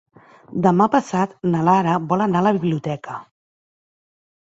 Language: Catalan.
Demà passat na Lara vol anar a la biblioteca.